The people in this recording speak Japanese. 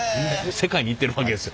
世界に行ってるわけですよ。